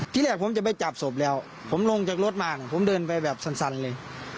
ที่แรกผมจะไปจับศพแล้วผมลงจากรถมาผมเดินไปแบบสั่นเลย